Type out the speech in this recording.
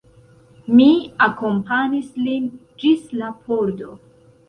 Mi akompanis lin ĝis la pordo.